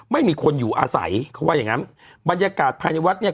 ไม่มีคนอยู่อาศัยเขาว่าอย่างงั้นบรรยากาศภายในวัดเนี่ย